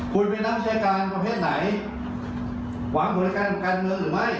คุยไปนับแชร์การประเภทไหนหวังบริการประกันเมืองหรือไม่